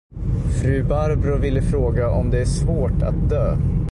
Fru Barbro ville fråga, om det är svårt att dö.